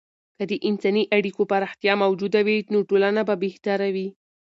که د انساني اړیکو پراختیا موجوده وي، نو ټولنه به بهتره وي.